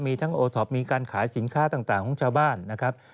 มีการขายสินค้าต่างของชาวบ้านนะครับ